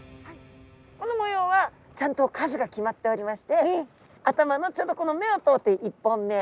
この模様はちゃんと数が決まっておりまして頭のちょうどこの目を通って１本目。